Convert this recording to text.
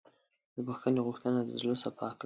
د بښنې غوښتنه د زړه صفا کوي.